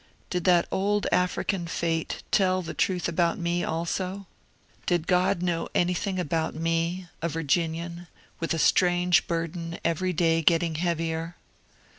Did that old African Fate tell the truth about me also ? Did Gt)d know anything about me, a Vir ginian, with a strange burden every day getting heavier